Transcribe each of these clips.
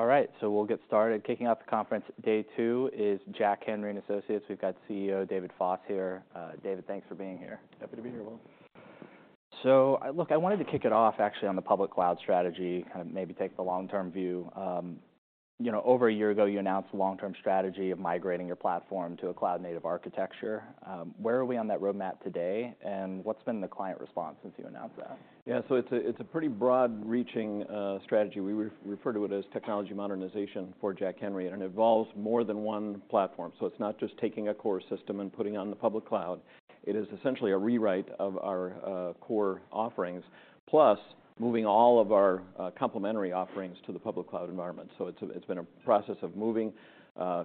All right, so we'll get started. Kicking off the conference, day two, is Jack Henry & Associates. We've got CEO David Foss here. David, thanks for being here. Happy to be here, Will. So, look, I wanted to kick it off actually on the public cloud strategy, kind of maybe take the long-term view. You know, over a year ago, you announced a long-term strategy of migrating your platform to a cloud-native architecture. Where are we on that roadmap today, and what's been the client response since you announced that? Yeah, so it's a, it's a pretty broad-reaching strategy. We refer to it as technology modernization for Jack Henry, and it involves more than one platform. So it's not just taking a core system and putting it on the public cloud, it is essentially a rewrite of our core offerings, plus moving all of our complementary offerings to the public cloud environment. So it's, it's been a process of moving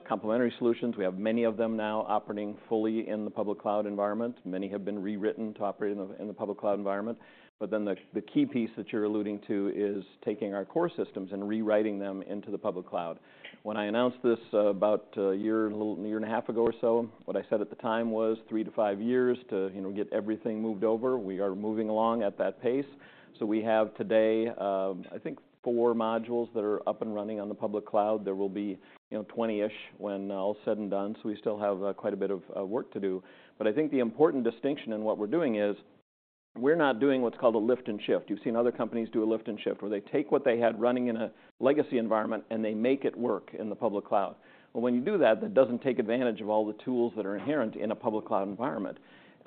complementary solutions. We have many of them now operating fully in the public cloud environment. Many have been rewritten to operate in the, in the public cloud environment. But then the key piece that you're alluding to is taking our core systems and rewriting them into the public cloud. When I announced this, about a year, a little year and a half ago or so, what I said at the time was three years-five years to, you know, get everything moved over. We are moving along at that pace. So we have today, I think, four modules that are up and running on the public cloud. There will be, you know, 20-ish when all said and done, so we still have quite a bit of work to do. But I think the important distinction in what we're doing is, we're not doing what's called a ift and shift. You've seen other companies do a lift and shift, where they take what they had running in a legacy environment, and they make it work in the public cloud. But when you do that, that doesn't take advantage of all the tools that are inherent in a public cloud environment.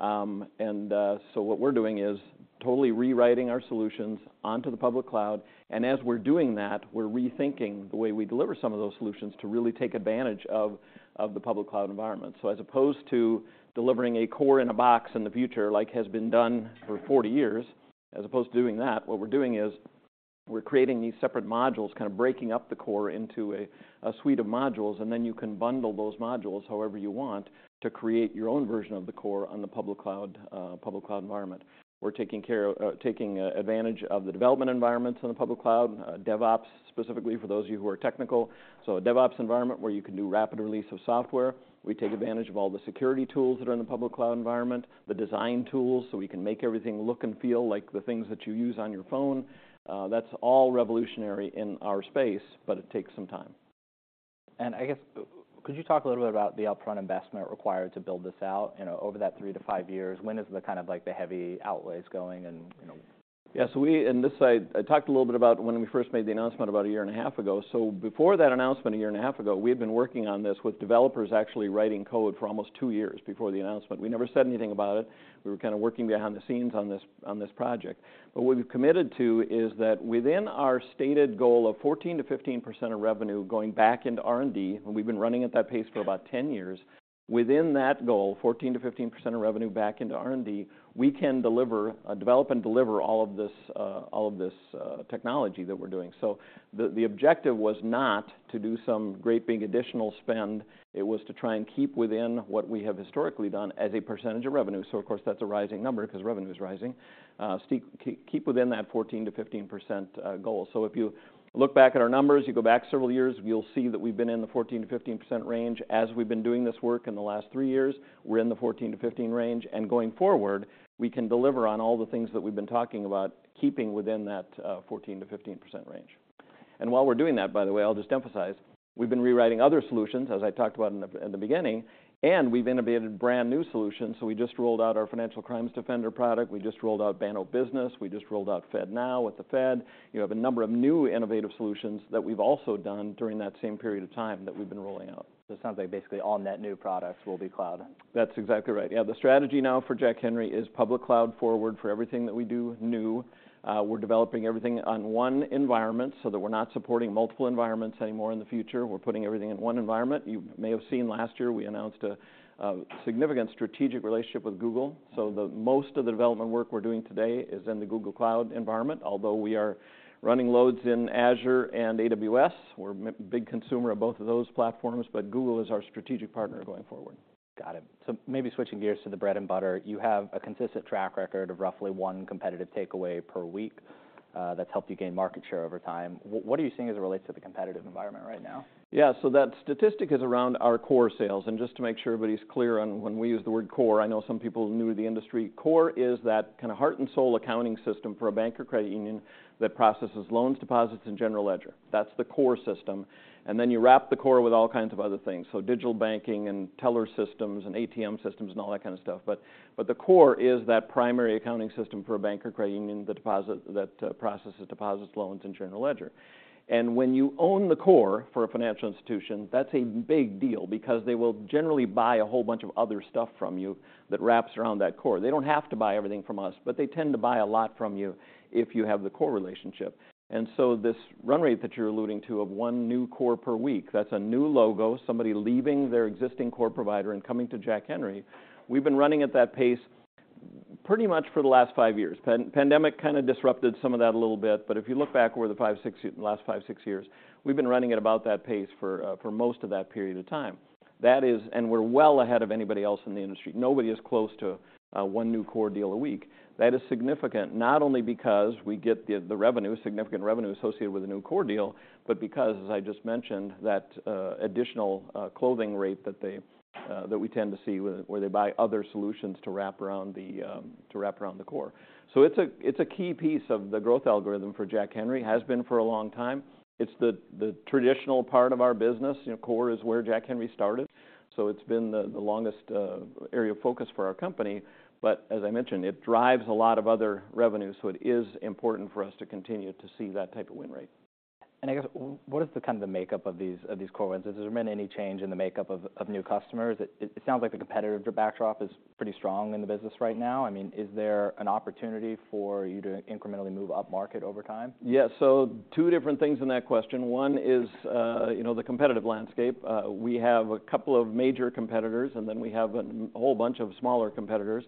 So what we're doing is totally rewriting our solutions onto the public cloud, and as we're doing that, we're rethinking the way we deliver some of those solutions to really take advantage of the public cloud environment. So as opposed to delivering a core in a box in the future, like has been done for 40 years, as opposed to doing that, what we're doing is we're creating these separate modules, kind of breaking up the core into a suite of modules, and then you can bundle those modules however you want to create your own version of the core on the public cloud, public cloud environment. We're taking care of... Taking advantage of the development environments in the public cloud, DevOps, specifically for those of you who are technical. So a DevOps environment where you can do rapid release of software. We take advantage of all the security tools that are in the public cloud environment, the design tools, so we can make everything look and feel like the things that you use on your phone. That's all revolutionary in our space, but it takes some time. I guess, could you talk a little bit about the upfront investment required to build this out, you know, over that three years-five years? When is the kind of like the heavy outlays going and, you know- Yeah, so in this, I talked a little bit about when we first made the announcement about a year and a half ago. So before that announcement, a year and a half ago, we had been working on this with developers actually writing code for almost two years before the announcement. We never said anything about it. We were kind of working behind the scenes on this, on this project. But what we've committed to is that within our stated goal of 14%-15% of revenue going back into R&D, and we've been running at that pace for about 10 years, within that goal, 14%-15% of revenue back into R&D, we can deliver, develop and deliver all of this, all of this, technology that we're doing. So the objective was not to do some great big additional spend. It was to try and keep within what we have historically done as a percentage of revenue. So of course, that's a rising number, cause revenue is rising. Keep within that 14%-15% goal. So if you look back at our numbers, you go back several years, you'll see that we've been in the 14%-15% range. As we've been doing this work in the last three years, we're in the 14%-15% range, and going forward, we can deliver on all the things that we've been talking about, keeping within that 14%-15% range. And while we're doing that, by the way, I'll just emphasize, we've been rewriting other solutions, as I talked about in the beginning, and we've innovated brand-new solutions, so we just rolled out our Financial Crimes Defender product. We just rolled out Banno Business. We just rolled out FedNow with the Fed. You have a number of new innovative solutions that we've also done during that same period of time that we've been rolling out. It sounds like basically all net new products will be cloud. That's exactly right. Yeah, the strategy now for Jack Henry is public cloud forward for everything that we do new. We're developing everything on one environment so that we're not supporting multiple environments anymore in the future. We're putting everything in one environment. You may have seen last year, we announced a significant strategic relationship with Google, so most of the development work we're doing today is in the Google Cloud environment. Although we are running loads in Azure and AWS, we're a big consumer of both of those platforms, but Google is our strategic partner going forward. Got it. So maybe switching gears to the bread and butter, you have a consistent track record of roughly one competitive takeaway per week, that's helped you gain market share over time. What are you seeing as it relates to the competitive environment right now? Yeah, so that statistic is around our core sales. Just to make sure everybody's clear on when we use the word core, I know some people new to the industry, core is that kind of heart and soul accounting system for a bank or credit union that processes loans, deposits, and general ledger. That's the core system, and then you wrap the core with all kinds of other things, so digital banking and teller systems and ATM systems, and all that kind of stuff. But the core is that primary accounting system for a bank or credit union, that deposit, that processes deposits, loans, and general ledger. When you own the core for a financial institution, that's a big deal because they will generally buy a whole bunch of other stuff from you that wraps around that core. They don't have to buy everything from us, but they tend to buy a lot from you if you have the core relationship. And so this run rate that you're alluding to of one new core per week, that's a new logo, somebody leaving their existing core provider and coming to Jack Henry. We've been running at that pace pretty much for the last five years. Pandemic kind of disrupted some of that a little bit, but if you look back over the five, six years, last five, six years, we've been running at about that pace for most of that period of time. That is... And we're well ahead of anybody else in the industry. Nobody is close to one new core deal a week. That is significant, not only because we get the revenue, significant revenue associated with a new core deal, but because, as I just mentioned, that additional cross-sell rate that we tend to see where they buy other solutions to wrap around the core. So it's a key piece of the growth algorithm for Jack Henry, has been for a long time. It's the traditional part of our business. You know, core is where Jack Henry started, so it's been the longest area of focus for our company. But as I mentioned, it drives a lot of other revenue, so it is important for us to continue to see that type of win rate. ... I guess, what is the kind of the makeup of these, of these core wins? Has there been any change in the makeup of, of new customers? It sounds like the competitive backdrop is pretty strong in the business right now. I mean, is there an opportunity for you to incrementally move upmarket over time? Yes. So two different things in that question. One is, you know, the competitive landscape. We have a couple of major competitors, and then we have a whole bunch of smaller competitors.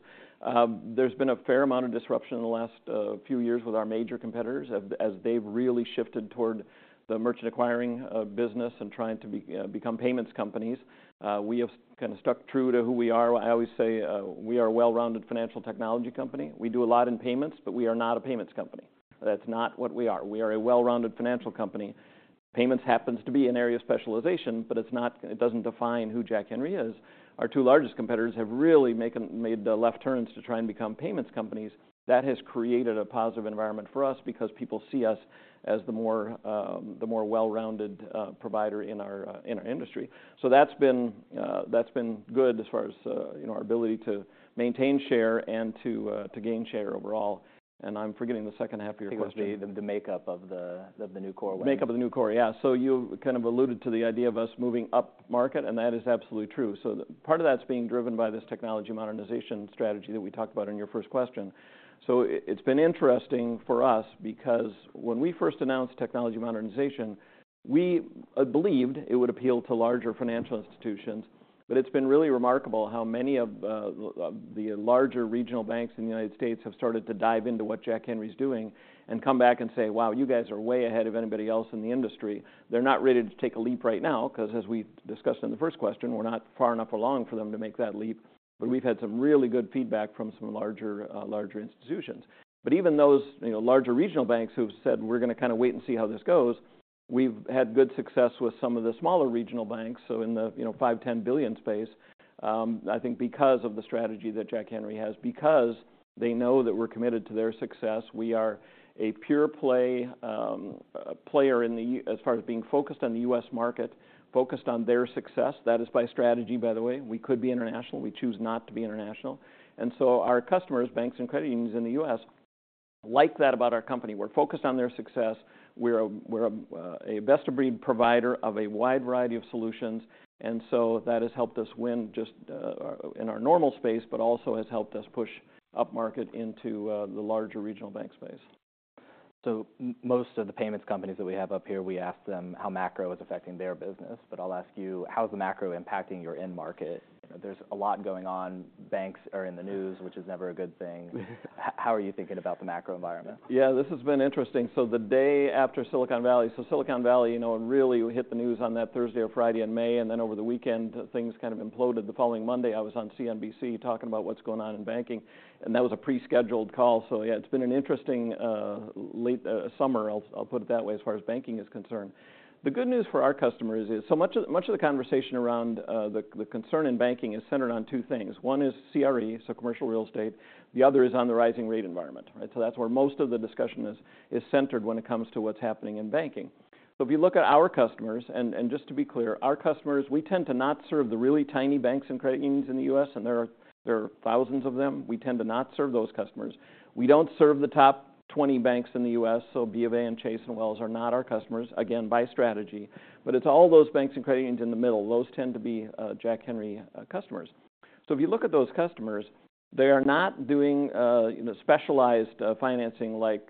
There's been a fair amount of disruption in the last few years with our major competitors as they've really shifted toward the merchant acquiring business and trying to become payments companies. We have kinda stuck true to who we are. I always say, we are a well-rounded financial technology company. We do a lot in payments, but we are not a payments company. That's not what we are. We are a well-rounded financial company. Payments happens to be an area of specialization, but it's not—it doesn't define who Jack Henry is. Our two largest competitors have really made left turns to try and become payments companies. That has created a positive environment for us because people see us as the more, the more well-rounded, provider in our, in our industry. So that's been, that's been good as far as, you know, our ability to maintain share and to, to gain share overall. And I'm forgetting the second half of your question. I think it was the makeup of the new core line. The makeup of the new core, yeah. So you kind of alluded to the idea of us moving upmarket, and that is absolutely true. So part of that's being driven by this technology modernization strategy that we talked about in your first question. So it's been interesting for us because when we first announced technology modernization, we believed it would appeal to larger financial institutions, but it's been really remarkable how many of the larger regional banks in the United States have started to dive into what Jack Henry's doing and come back and say, "Wow, you guys are way ahead of anybody else in the industry." They're not ready to take a leap right now, cause as we discussed in the first question, we're not far enough along for them to make that leap, but we've had some really good feedback from some larger, larger institutions. But even those, you know, larger regional banks who've said, "We're gonna kinda wait and see how this goes," we've had good success with some of the smaller regional banks, so in the, you know, 5 billion-10 billion space, I think because of the strategy that Jack Henry has. Because they know that we're committed to their success, we are a pure play player in the U.S. as far as being focused on the U.S. market, focused on their success. That is by strategy, by the way. We could be international. We choose not to be international. And so our customers, banks and credit unions in the U.S., like that about our company. We're focused on their success. We're a best-of-breed provider of a wide variety of solutions, and so that has helped us win just in our normal space, but also has helped us push upmarket into the larger regional bank space. So most of the payments companies that we have up here, we ask them how macro is affecting their business, but I'll ask you, how is the macro impacting your end market? There's a lot going on. Banks are in the news, which is never a good thing. How are you thinking about the macro environment? Yeah, this has been interesting. So the day after Silicon Valley... So Silicon Valley, you know, really hit the news on that Thursday or Friday in May, and then over the weekend, things kind of imploded. The following Monday, I was on CNBC talking about what's going on in banking, and that was a pre-scheduled call. So yeah, it's been an interesting, late, summer, I'll put it that way, as far as banking is concerned. The good news for our customers is, so much of the conversation around the concern in banking is centered on two things. One is CRE, so commercial real estate, the other is on the rising rate environment. Right? So that's where most of the discussion is centered when it comes to what's happening in banking. So if you look at our customers... And just to be clear, our customers, we tend to not serve the really tiny banks and credit unions in the U.S., and there are 1,000s of them. We tend to not serve those customers. We don't serve the top 20 banks in the U.S., so BofA, and Chase, and Wells are not our customers, again, by strategy. But it's all those banks and credit unions in the middle. Those tend to be Jack Henry customers. So if you look at those customers, they are not doing you know specialized financing like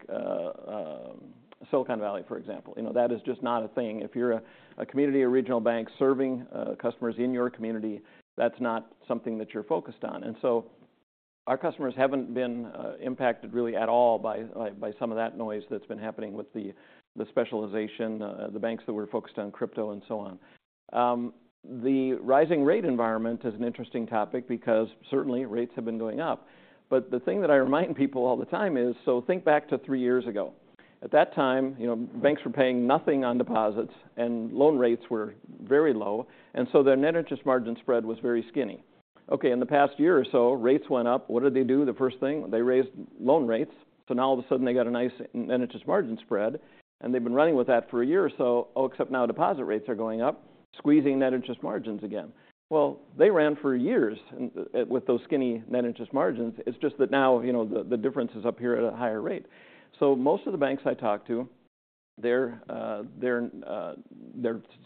Silicon Valley, for example. You know, that is just not a thing. If you're a community or regional bank serving customers in your community, that's not something that you're focused on. And so our customers haven't been impacted really at all by some of that noise that's been happening with the specialization, the banks that we're focused on, crypto, and so on. The rising rate environment is an interesting topic because certainly, rates have been going up. But the thing that I remind people all the time is, so think back to three years ago. At that time, you know, banks were paying nothing on deposits, and loan rates were very low, and so their net interest margin spread was very skinny. Okay, in the past year or so, rates went up. What did they do? The first thing, they raised loan rates, so now all of a sudden, they got a nice net interest margin spread, and they've been running with that for a year or so. Oh, except now deposit rates are going up, squeezing net interest margins again. Well, they ran for years with those skinny net interest margins. It's just that now, you know, the difference is up here at a higher rate. So most of the banks I talk to, they're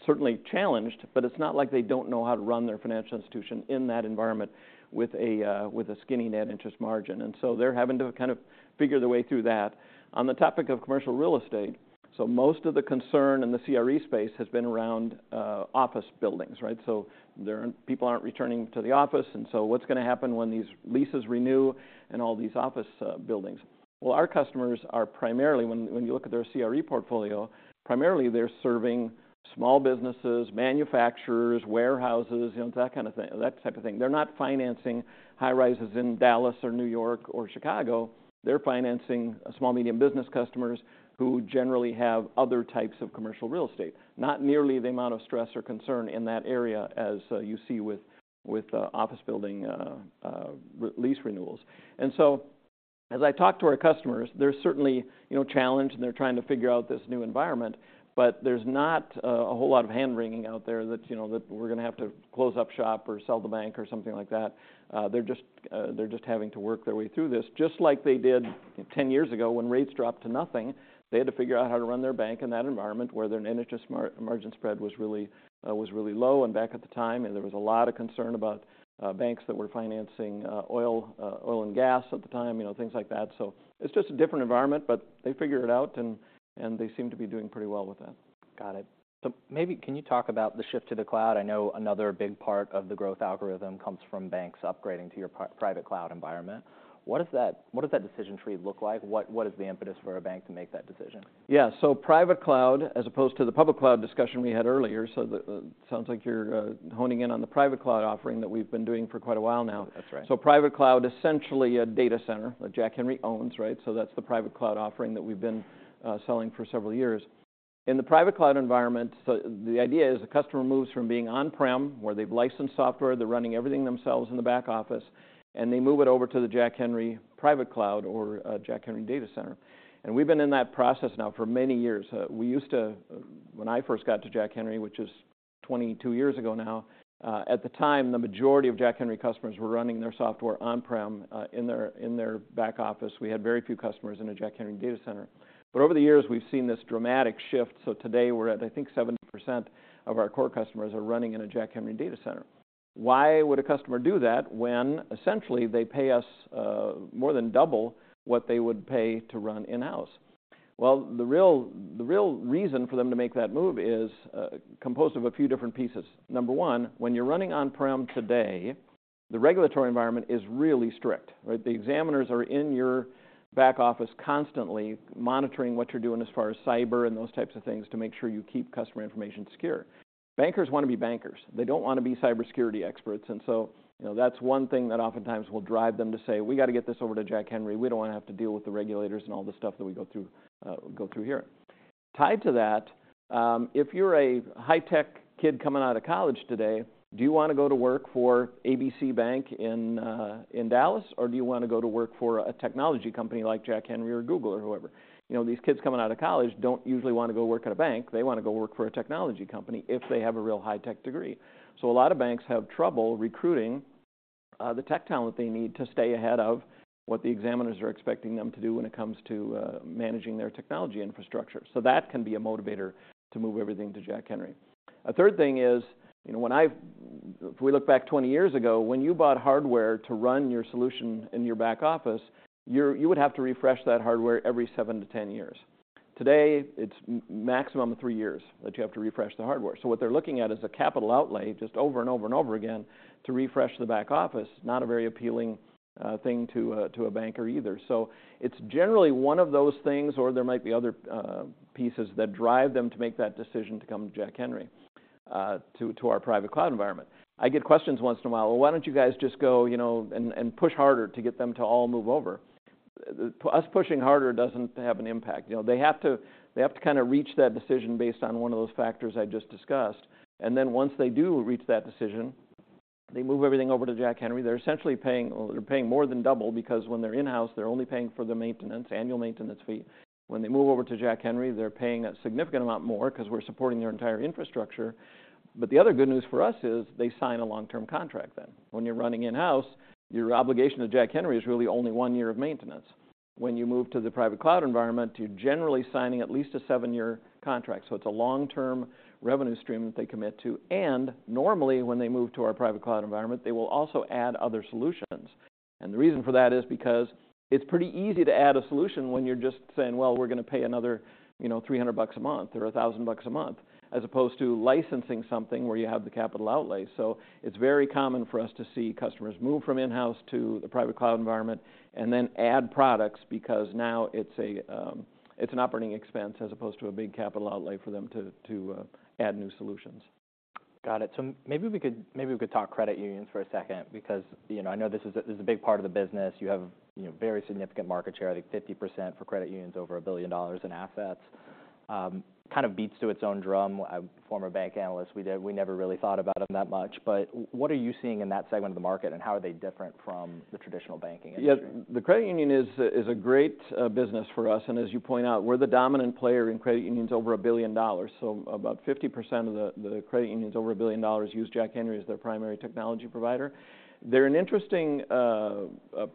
certainly challenged, but it's not like they don't know how to run their financial institution in that environment with a skinny net interest margin, and so they're having to kind of figure their way through that. On the topic of commercial real estate, so most of the concern in the CRE space has been around office buildings, right? So there are people aren't returning to the office, and so what's gonna happen when these leases renew and all these office buildings? Well, our customers are primarily, when you look at their CRE portfolio, primarily, they're serving small businesses, manufacturers, warehouses, you know, that kind of thing, that type of thing. They're not financing high-rises in Dallas or New York or Chicago. They're financing small, medium business customers who generally have other types of commercial real estate. Not nearly the amount of stress or concern in that area as you see with office building lease renewals. And so, as I talk to our customers, they're certainly, you know, challenged, and they're trying to figure out this new environment, but there's not a whole lot of hand-wringing out there that, you know, that we're gonna have to close up shop or sell the bank or something like that. They're just having to work their way through this, just like they did-... 10 years ago, when rates dropped to nothing, they had to figure out how to run their bank in that environment where their net interest margin spread was really, was really low. And back at the time, there was a lot of concern about, banks that were financing, oil, oil and gas at the time, you know, things like that. So it's just a different environment, but they figured it out, and they seem to be doing pretty well with it. Got it. So maybe can you talk about the shift to the cloud? I know another big part of the growth algorithm comes from banks upgrading to your private cloud environment. What does that decision tree look like? What is the impetus for a bank to make that decision? Yeah, so private cloud, as opposed to the public cloud discussion we had earlier, so sounds like you're honing in on the private cloud offering that we've been doing for quite a while now. That's right. So private cloud, essentially a data center that Jack Henry owns, right? So that's the private cloud offering that we've been selling for several years. In the private cloud environment, so the idea is the customer moves from being on-prem, where they've licensed software, they're running everything themselves in the back office, and they move it over to the Jack Henry private cloud or Jack Henry data center. And we've been in that process now for many years. We used to... When I first got to Jack Henry, which is 22 years ago now, at the time, the majority of Jack Henry customers were running their software on-prem in their back office. We had very few customers in a Jack Henry data center. But over the years, we've seen this dramatic shift, so today we're at, I think, 70% of our core customers are running in a Jack Henry data center. Why would a customer do that when essentially they pay us more than double what they would pay to run in-house? Well, the real, the real reason for them to make that move is composed of a few different pieces. Number one, when you're running on-prem today, the regulatory environment is really strict, right? The examiners are in your back office constantly monitoring what you're doing as far as cyber and those types of things, to make sure you keep customer information secure. Bankers want to be bankers. They don't want to be cybersecurity experts, and so, you know, that's one thing that oftentimes will drive them to say, "We got to get this over to Jack Henry. We don't want to have to deal with the regulators and all the stuff that we go through, go through here." Tied to that, if you're a high-tech kid coming out of college today, do you want to go to work for ABC Bank in Dallas, or do you want to go to work for a technology company like Jack Henry or Google or whoever? You know, these kids coming out of college don't usually want to go work at a bank. They want to go work for a technology company if they have a real high-tech degree. So a lot of banks have trouble recruiting the tech talent they need to stay ahead of what the examiners are expecting them to do when it comes to managing their technology infrastructure. So that can be a motivator to move everything to Jack Henry. A third thing is, you know, when if we look back 20 years ago, when you bought hardware to run your solution in your back office, you would have to refresh that hardware every seven years-10 years. Today, it's maximum three years that you have to refresh the hardware. So what they're looking at is a capital outlay just over and over and over again to refresh the back office, not a very appealing thing to a banker either. So it's generally one of those things, or there might be other pieces that drive them to make that decision to come to Jack Henry, to our private cloud environment. I get questions once in a while, "Well, why don't you guys just go, you know, and push harder to get them to all move over?" Us pushing harder doesn't have an impact. You know, they have to, they have to kind of reach that decision based on one of those factors I just discussed. And then once they do reach that decision, they move everything over to Jack Henry. They're essentially paying... Well, they're paying more than double because when they're in-house, they're only paying for the maintenance, annual maintenance fee. When they move over to Jack Henry, they're paying a significant amount more because we're supporting their entire infrastructure. But the other good news for us is they sign a long-term contract then. When you're running in-house, your obligation to Jack Henry is really only one year of maintenance. When you move to the private cloud environment, you're generally signing at least a seven-year contract. So it's a long-term revenue stream that they commit to, and normally, when they move to our private cloud environment, they will also add other solutions. And the reason for that is because it's pretty easy to add a solution when you're just saying, "Well, we're going to pay another, you know, $300 a month or $1,000 a month," as opposed to licensing something where you have the capital outlay. So it's very common for us to see customers move from in-house to the private cloud environment and then add products because now it's a, it's an operating expense as opposed to a big capital outlay for them to add new solutions. Got it. So maybe we could, maybe we could talk credit unions for a second because, you know, I know this is a, this is a big part of the business. You have, you know, very significant market share, I think 50% for credit unions over $1 billion in assets. Kind of beats to its own drum. A former bank analyst, we never really thought about them that much, but what are you seeing in that segment of the market, and how are they different from the traditional banking industry? Yeah, the credit union is a great business for us, and as you point out, we're the dominant player in credit unions over $1 billion. So about 50% of the credit unions over $1 billion use Jack Henry as their primary technology provider. They're an interesting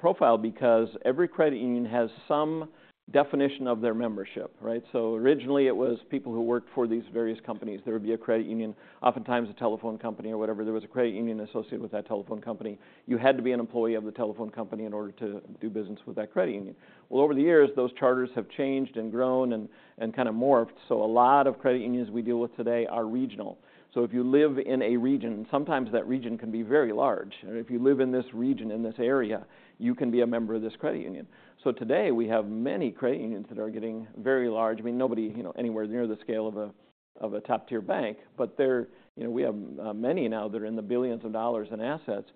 profile because every credit union has some definition of their membership, right? So originally, it was people who worked for these various companies. There would be a credit union, oftentimes a telephone company or whatever. There was a credit union associated with that telephone company. You had to be an employee of the telephone company in order to do business with that credit union. Well, over the years, those charters have changed and grown and kind of morphed, so a lot of credit unions we deal with today are regional. So if you live in a region, sometimes that region can be very large, and if you live in this region, in this area, you can be a member of this credit union. So today, we have many credit unions that are getting very large. I mean, nobody, you know, anywhere near the scale of a, of a top-tier bank, but there. You know, we have many now that are in the billions of dollars in assets.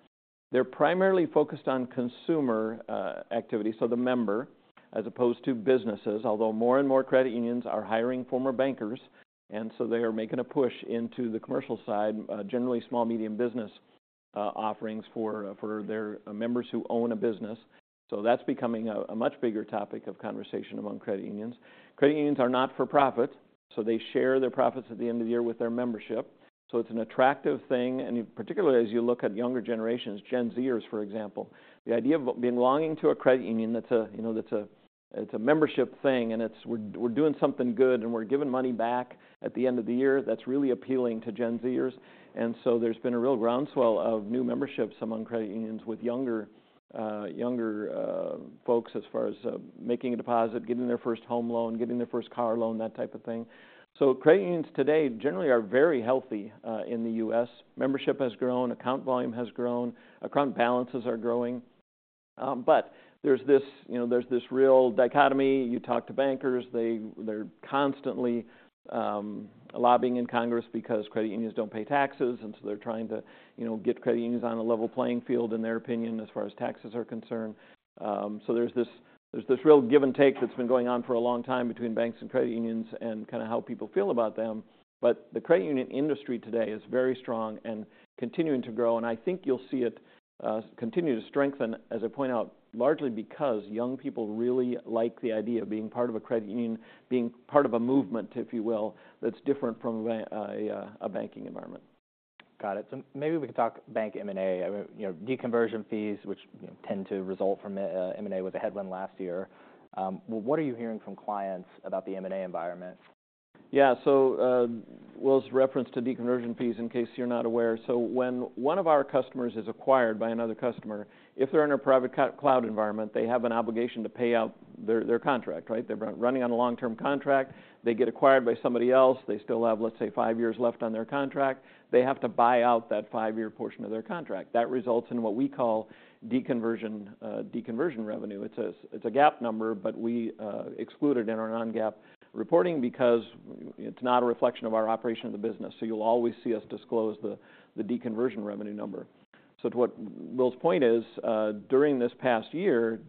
They're primarily focused on consumer activity, so the member, as opposed to businesses. Although more and more credit unions are hiring former bankers, and so they are making a push into the commercial side, generally small, medium business offerings for their members who own a business. So that's becoming a much bigger topic of conversation among credit unions. Credit unions are not for profit, so they share their profits at the end of the year with their membership. So it's an attractive thing, and particularly as you look at younger generations, Gen Zers, for example, the idea of belonging to a credit union, that's a, you know, that's a—it's a membership thing, and it's we're, we're doing something good, and we're giving money back at the end of the year. That's really appealing to Gen Zers. And so there's been a real groundswell of new memberships among credit unions with younger folks, as far as making a deposit, getting their first home loan, getting their first car loan, that type of thing. So credit unions today generally are very healthy in the U.S.. Membership has grown, account volume has grown, account balances are growing. But there's this, you know, there's this real dichotomy. You talk to bankers, they, they're constantly, lobbying in Congress because credit unions don't pay taxes, and so they're trying to, you know, get credit unions on a level playing field, in their opinion, as far as taxes are concerned. So there's this, there's this real give-and-take that's been going on for a long time between banks and credit unions and kinda how people feel about them. But the credit union industry today is very strong and continuing to grow, and I think you'll see it, continue to strengthen, as I point out, largely because young people really like the idea of being part of a credit union, being part of a movement, if you will, that's different from a, a banking environment. Got it. So maybe we can talk bank M&A. I mean, you know, deconversion fees, which, you know, tend to result from, M&A, was a headwind last year. What are you hearing from clients about the M&A environment? Yeah. So, Will's reference to deconversion fees, in case you're not aware, so when one of our customers is acquired by another customer, if they're in a private cloud environment, they have an obligation to pay out their contract, right? They're running on a long-term contract, they get acquired by somebody else, they still have, let's say, five years left on their contract. They have to buy out that five-year portion of their contract. That results in what we call deconversion revenue. It's a GAAP number, but we exclude it in our non-GAAP reporting because it's not a reflection of our operation of the business. So you'll always see us disclose the deconversion revenue number. So to what Will's point is, during this past year,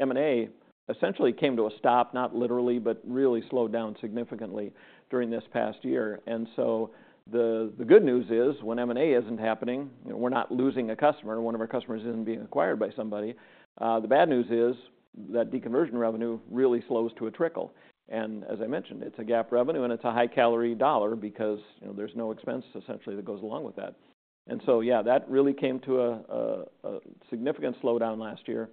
M&A essentially came to a stop, not literally, but really slowed down significantly during this past year. And so the good news is, when M&A isn't happening, you know, we're not losing a customer, one of our customers isn't being acquired by somebody. The bad news is that deconversion revenue really slows to a trickle. And as I mentioned, it's a GAAP revenue, and it's a high-calorie dollar because, you know, there's no expense essentially that goes along with that. And so, yeah, that really came to a significant slowdown last year.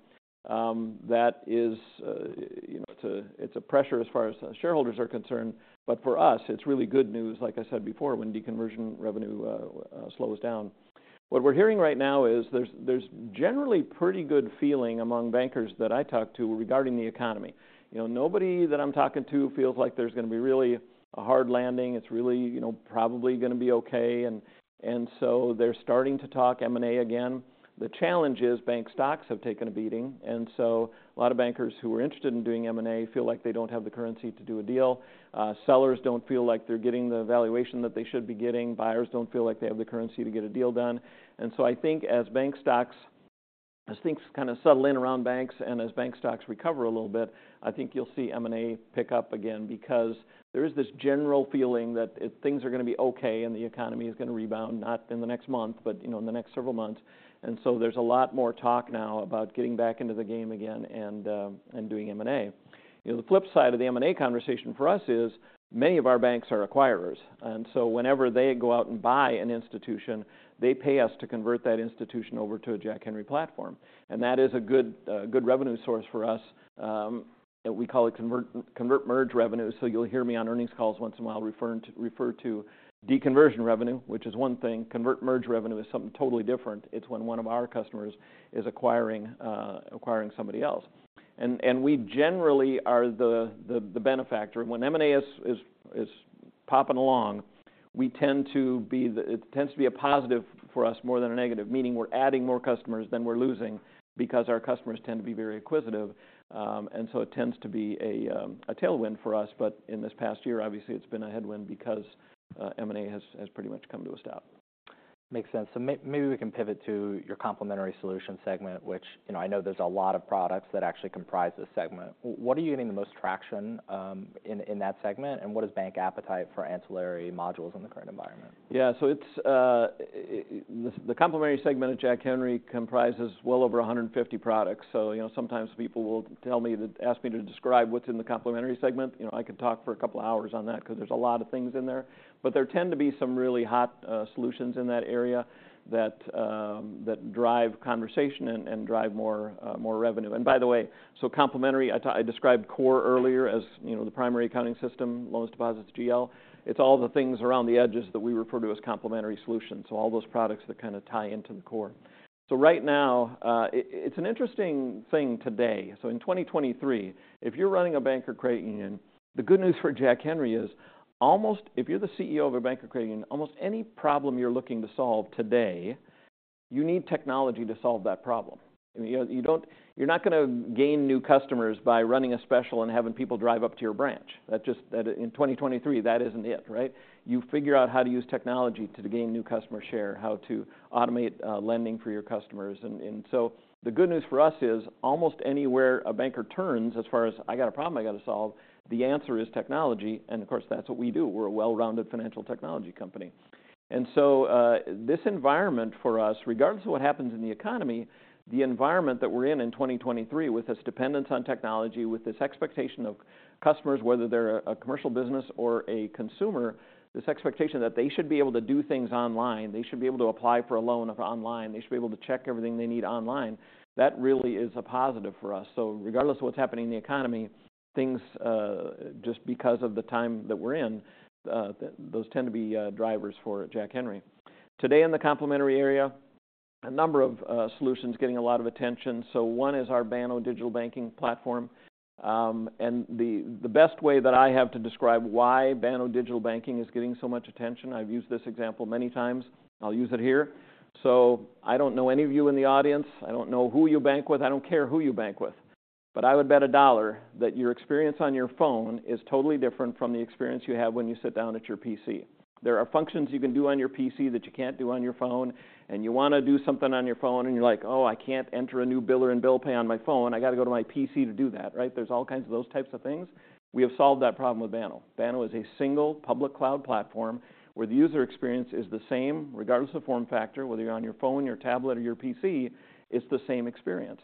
That is, you know, it's a pressure as far as shareholders are concerned, but for us, it's really good news, like I said before, when deconversion revenue slows down. What we're hearing right now is there's generally pretty good feeling among bankers that I talk to regarding the economy. You know, nobody that I'm talking to feels like there's gonna be really a hard landing. It's really, you know, probably gonna be okay, and so they're starting to talk M&A again. The challenge is bank stocks have taken a beating, and so a lot of bankers who are interested in doing M&A feel like they don't have the currency to do a deal. Sellers don't feel like they're getting the valuation that they should be getting. Buyers don't feel like they have the currency to get a deal done. And so I think as bank stocks as things kinda settle in around banks and as bank stocks recover a little bit, I think you'll see M&A pick up again. Because there is this general feeling that things are gonna be okay, and the economy is gonna rebound, not in the next month, but, you know, in the next several months. So there's a lot more talk now about getting back into the game again and doing M&A. You know, the flip side of the M&A conversation for us is many of our banks are acquirers, and so whenever they go out and buy an institution, they pay us to convert that institution over to a Jack Henry platform, and that is a good, good revenue source for us. We call it convert merge revenue, so you'll hear me on earnings calls once in a while, referring to deconversion revenue, which is one thing. Convert merge revenue is something totally different. It's when one of our customers is acquiring, acquiring somebody else, and we generally are the benefactor. When M&A is popping along, we tend to be the... It tends to be a positive for us more than a negative, meaning we're adding more customers than we're losing because our customers tend to be very acquisitive. And so it tends to be a tailwind for us, but in this past year, obviously, it's been a headwind because M&A has pretty much come to a stop. Makes sense. So maybe we can pivot to your complementary solutions segment, which, you know, I know there's a lot of products that actually comprise this segment. What are you getting the most traction in that segment, and what is bank appetite for ancillary modules in the current environment? Yeah, so it's the complementary segment at Jack Henry comprises well over 150 products. So, you know, sometimes people will tell me that ask me to describe what's in the complementary segment. You know, I could talk for a couple of hours on that because there's a lot of things in there, but there tend to be some really hot solutions in that area that drive conversation and drive more revenue. And by the way, so complementary, I described core earlier as, you know, the primary accounting system, loans, deposits, GL. It's all the things around the edges that we refer to as complementary solutions, so all those products that kinda tie into the core. So right now, it's an interesting thing today. So in 2023, if you're running a bank or credit union, the good news for Jack Henry is almost, if you're the CEO of a bank or credit union, almost any problem you're looking to solve today, you need technology to solve that problem. You know, you don't, you're not gonna gain new customers by running a special and having people drive up to your branch. That just... That, in 2023, that isn't it, right? You figure out how to use technology to gain new customer share, how to automate lending for your customers. And, and so the good news for us is, almost anywhere a banker turns, as far as, "I got a problem I got to solve," the answer is technology, and of course, that's what we do. We're a well-rounded financial technology company.... And so, this environment for us, regardless of what happens in the economy, the environment that we're in in 2023, with this dependence on technology, with this expectation of customers, whether they're a commercial business or a consumer, this expectation that they should be able to do things online, they should be able to apply for a loan online, they should be able to check everything they need online, that really is a positive for us. So regardless of what's happening in the economy, things, just because of the time that we're in, those tend to be drivers for Jack Henry. Today in the complementary area, a number of solutions getting a lot of attention. So one is our Banno Digital Platform. And the best way that I have to describe why Banno Digital Banking is getting so much attention, I've used this example many times. I'll use it here. So I don't know any of you in the audience. I don't know who you bank with. I don't care who you bank with, but I would bet $1 that your experience on your phone is totally different from the experience you have when you sit down at your PC. There are functions you can do on your PC that you can't do on your phone, and you wanna do something on your phone, and you're like, "Oh, I can't enter a new biller in bill pay on my phone. I gotta go to my PC to do that," right? There's all kinds of those types of things. We have solved that problem with Banno. Banno is a single public cloud platform where the user experience is the same, regardless of form factor, whether you're on your phone, your tablet, or your PC, it's the same experience.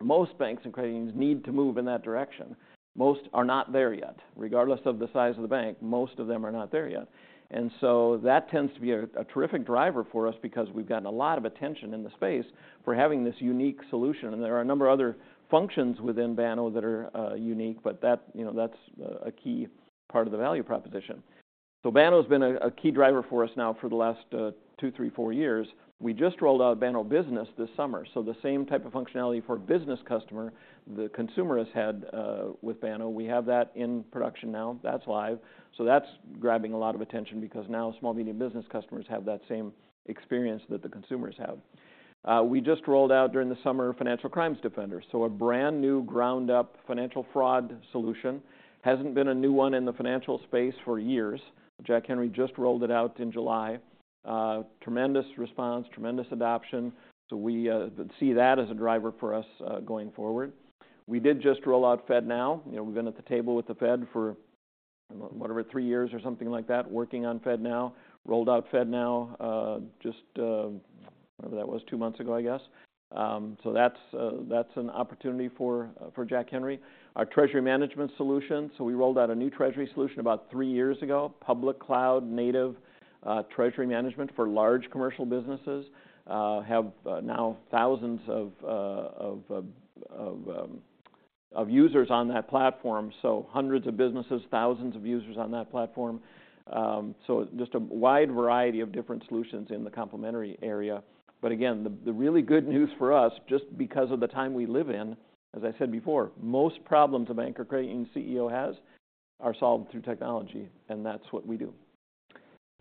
Most banks and credit unions need to move in that direction. Most are not there yet. Regardless of the size of the bank, most of them are not there yet. And so that tends to be a terrific driver for us because we've gotten a lot of attention in the space for having this unique solution, and there are a number of other functions within Banno that are unique, but that, you know, that's a key part of the value proposition. So Banno's been a key driver for us now for the last two, three, four years. We just rolled out Banno Business this summer, so the same type of functionality for a business customer the consumer has had, with Banno. We have that in production now. That's live. So that's grabbing a lot of attention because now small-medium business customers have that same experience that the consumers have. We just rolled out during the summer Financial Crimes Defender, so a brand-new, ground-up financial fraud solution. Hasn't been a new one in the financial space for years. Jack Henry just rolled it out in July. Tremendous response, tremendous adoption, so we see that as a driver for us, going forward. We did just roll out FedNow. You know, we've been at the table with the Fed for, whatever, three years or something like that, working on FedNow. Rolled out FedNow, just, whatever that was, two months ago, I guess. So that's an opportunity for Jack Henry. Our treasury management solution, so we rolled out a new treasury solution about three years ago, public cloud, native, treasury management for large commercial businesses. We have now 1,000s of users on that platform, so hundreds of businesses, thousands of users on that platform. So just a wide variety of different solutions in the complementary area. But again, the really good news for us, just because of the time we live in, as I said before, most problems a bank or credit union CEO has are solved through technology, and that's what we do.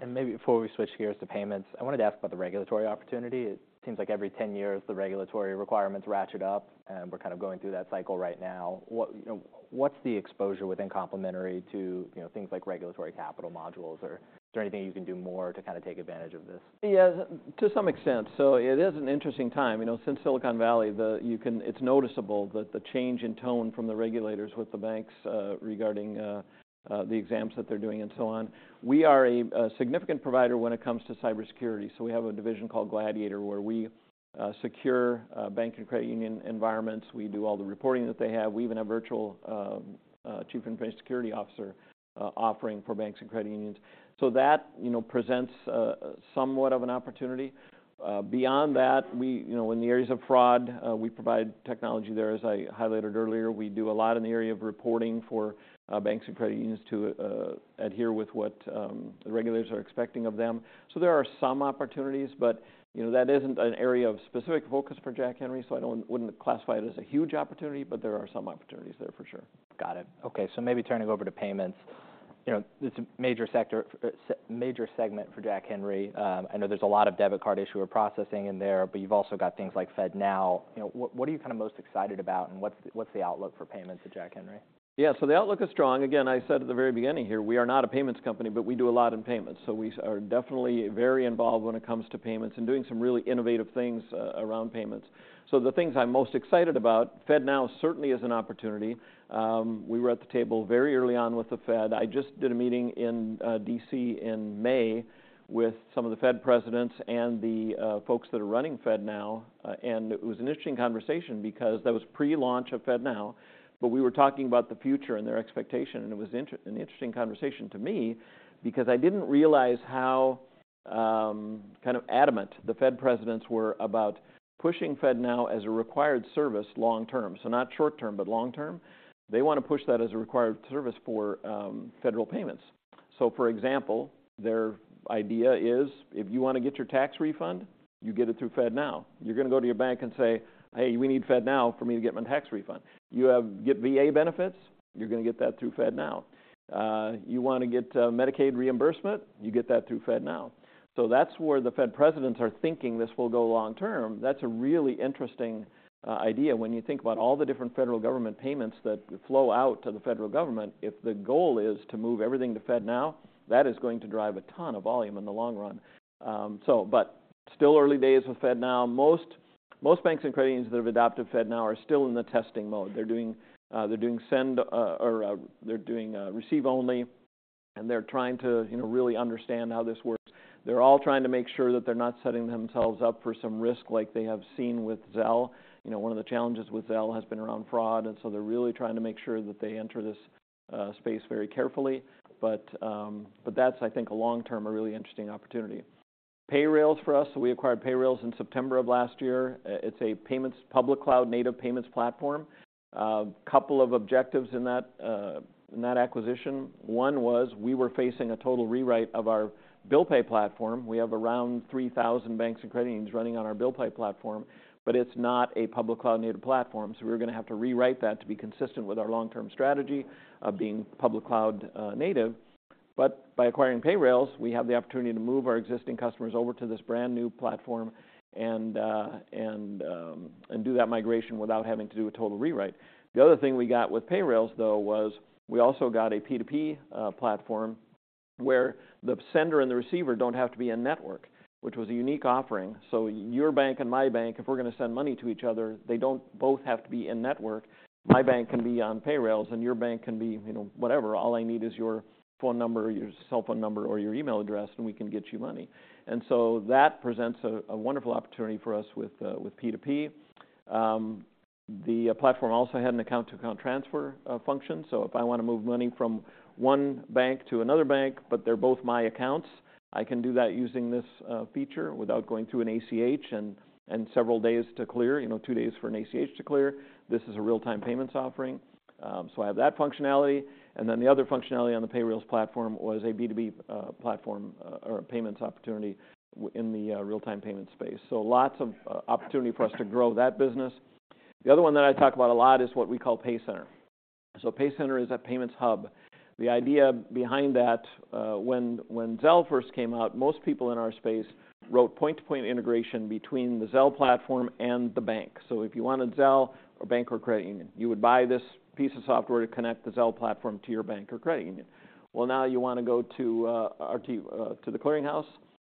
Maybe before we switch gears to payments, I wanted to ask about the regulatory opportunity. It seems like every 10 years, the regulatory requirements ratchet up, and we're kind of going through that cycle right now. What, you know, what's the exposure within complementary to, you know, things like regulatory capital modules, or is there anything you can do more to kind of take advantage of this? Yeah, to some extent. So it is an interesting time. You know, since Silicon Valley, it's noticeable that the change in tone from the regulators with the banks, regarding the exams that they're doing and so on. We are a significant provider when it comes to cybersecurity, so we have a division called Gladiator, where we secure bank and credit union environments. We do all the reporting that they have. We even have virtual chief information security officer offering for banks and credit unions. So that, you know, presents somewhat of an opportunity. Beyond that, we, you know, in the areas of fraud, we provide technology there, as I highlighted earlier. We do a lot in the area of reporting for banks and credit unions to adhere with what the regulators are expecting of them. So there are some opportunities, but, you know, that isn't an area of specific focus for Jack Henry, so I wouldn't classify it as a huge opportunity, but there are some opportunities there for sure. Got it. Okay, so maybe turning over to payments. You know, it's a major sector, major segment for Jack Henry. I know there's a lot of debit card issuer processing in there, but you've also got things like FedNow. You know, what, what are you kind of most excited about, and what's, what's the outlook for payments at Jack Henry? Yeah, so the outlook is strong. Again, I said at the very beginning here, we are not a payments company, but we do a lot in payments, so we are definitely very involved when it comes to payments and doing some really innovative things around payments. So the things I'm most excited about, FedNow certainly is an opportunity. We were at the table very early on with the Fed. I just did a meeting in D.C. in May with some of the Fed presidents and the folks that are running FedNow, and it was an interesting conversation because that was pre-launch of FedNow, but we were talking about the future and their expectation, and it was an interesting conversation to me because I didn't realize how kind of adamant the Fed presidents were about pushing FedNow as a required service long term. So not short term, but long term. They wanna push that as a required service for federal payments. So, for example, their idea is, if you wanna get your tax refund, you get it through FedNow. You're gonna go to your bank and say, "Hey, we need FedNow for me to get my tax refund." You get VA benefits, you're gonna get that through FedNow. You wanna get Medicaid reimbursement, you get that through FedNow. So that's where the Fed presidents are thinking this will go long term. That's a really interesting idea when you think about all the different federal government payments that flow out to the federal government. If the goal is to move everything to FedNow, that is going to drive a ton of volume in the long run. So but still early days with FedNow. Most-... Most banks and credit unions that have adopted FedNow are still in the testing mode. They're doing send or receive only, and they're trying to, you know, really understand how this works. They're all trying to make sure that they're not setting themselves up for some risk like they have seen with Zelle. You know, one of the challenges with Zelle has been around fraud, and so they're really trying to make sure that they enter this space very carefully. But that's, I think, a long-term, a really interesting opportunity. Payrailz for us, so we acquired Payrailz in September of last year. It's a payments public cloud-native payments platform. Couple of objectives in that acquisition. One was we were facing a total rewrite of our bill pay platform. We have around 3,000 banks and credit unions running on our bill pay platform, but it's not a public cloud-native platform, so we were gonna have to rewrite that to be consistent with our long-term strategy of being public cloud native. But by acquiring Payrailz, we have the opportunity to move our existing customers over to this brand-new platform and do that migration without having to do a total rewrite. The other thing we got with Payrailz, though, was we also got a P2P platform, where the sender and the receiver don't have to be in-network, which was a unique offering. So your bank and my bank, if we're gonna send money to each other, they don't both have to be in-network. My bank can be on Payrailz, and your bank can be, you know, whatever. All I need is your phone number or your cell phone number or your email address, and we can get you money. And so that presents a wonderful opportunity for us with P2P. The platform also had an account-to-account transfer function. So if I wanna move money from one bank to another bank, but they're both my accounts, I can do that using this feature without going through an ACH and several days to clear. You know, two days for an ACH to clear. This is a real-time payments offering. So I have that functionality, and then the other functionality on the Payrailz platform was a B2B platform or a payments opportunity in the real-time payments space. So lots of opportunity for us to grow that business. The other one that I talk about a lot is what we call PayCenter. So PayCenter is a payments hub. The idea behind that, when Zelle first came out, most people in our space wrote point-to-point integration between the Zelle platform and the bank. So if you wanted Zelle or bank or credit union, you would buy this piece of software to connect the Zelle platform to your bank or credit union. Well, now you wanna go to the Clearing House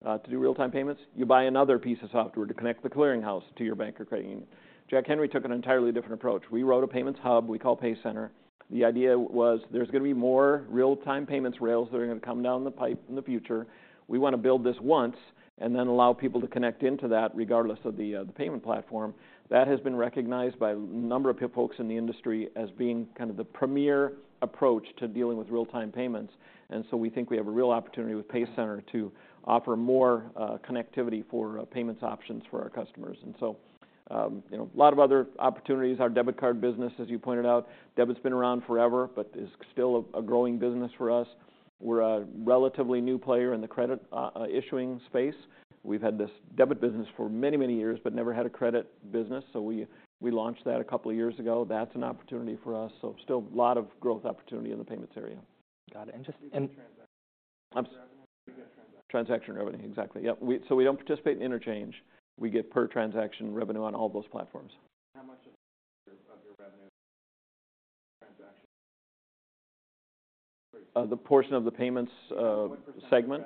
to do real-time payments, you buy another piece of software to connect the Clearing House to your bank or credit union. Jack Henry took an entirely different approach. We wrote a payments hub we call PayCenter. The idea was, there's gonna be more real-time payments rails that are gonna come down the pipe in the future. We wanna build this once and then allow people to connect into that, regardless of the payment platform. That has been recognized by a number of folks in the industry as being kind of the premier approach to dealing with real-time payments, and so we think we have a real opportunity with PayCenter to offer more connectivity for payments options for our customers. And so, you know, a lot of other opportunities. Our debit card business, as you pointed out, debit's been around forever but is still a growing business for us. We're a relatively new player in the credit issuing space. We've had this debit business for many, many years but never had a credit business, so we launched that a couple of years ago. That's an opportunity for us, so still a lot of growth opportunity in the payments area. Got it. And just transaction. Transaction revenue, exactly. Yep, we... So we don't participate in interchange. We get per transaction revenue on all those platforms. How much of your, of your revenue transaction? The portion of the payments, What percentage of your revenue?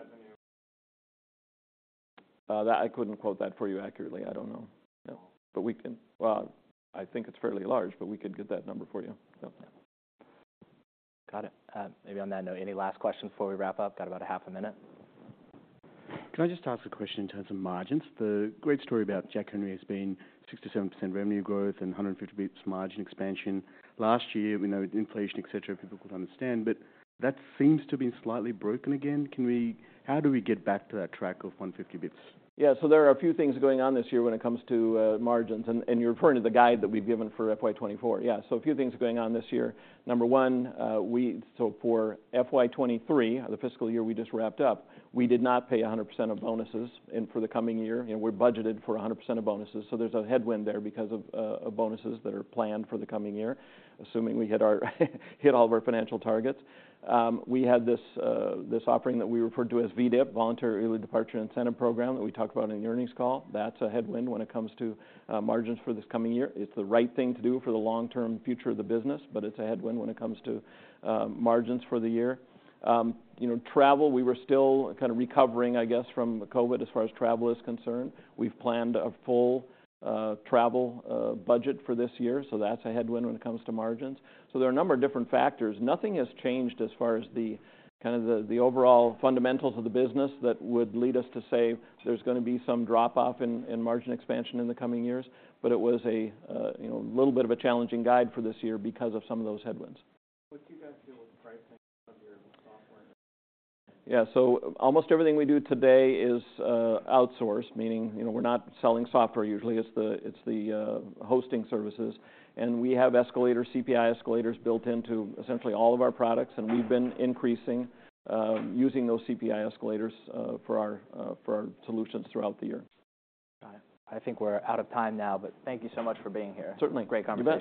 That I couldn't quote that for you accurately. I don't know. No, but we can... Well, I think it's fairly large, but we could get that number for you. Yep. Got it. Maybe on that note, any last questions before we wrap up? Got about a half a minute. Can I just ask a question in terms of margins? The great story about Jack Henry has been 67% revenue growth and 150 basis points margin expansion. Last year, we know the inflation, et cetera, difficult to understand, but that seems to be slightly broken again. Can we, how do we get back to that track of 150 basis points? Yeah, so there are a few things going on this year when it comes to margins, and you're referring to the guide that we've given for FY 2024. Yeah, so a few things are going on this year. Number one, so for FY 2023, the fiscal year we just wrapped up, we did not pay 100% of bonuses, and for the coming year, you know, we're budgeted for 100% of bonuses. So there's a headwind there because of bonuses that are planned for the coming year, assuming we hit all of our financial targets. We had this offering that we referred to as VEDIP, Voluntary Early Departure Incentive Program, that we talked about in the earnings call. That's a headwind when it comes to margins for this coming year. It's the right thing to do for the long-term future of the business, but it's a headwind when it comes to margins for the year. You know, travel, we were still kind of recovering, I guess, from COVID, as far as travel is concerned. We've planned a full travel budget for this year, so that's a headwind when it comes to margins. So there are a number of different factors. Nothing has changed as far as the kind of the overall fundamentals of the business that would lead us to say there's gonna be some drop-off in margin expansion in the coming years. But it was a little bit of a challenging guide for this year because of some of those headwinds. What do you guys do with pricing of your software? Yeah, so almost everything we do today is outsourced, meaning, you know, we're not selling software usually. It's the hosting services, and we have escalators, CPI escalators, built into essentially all of our products, and we've been increasing using those CPI escalators for our solutions throughout the year. Got it. I think we're out of time now, but thank you so much for being here. Certainly. Great conversation.